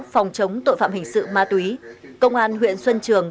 phòng chống tội phạm hình sự ma túy công an huyện xuân trường